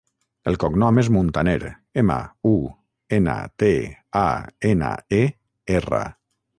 El cognom és Muntaner: ema, u, ena, te, a, ena, e, erra.